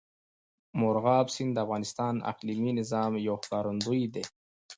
مورغاب سیند د افغانستان د اقلیمي نظام یو ښکارندوی دی.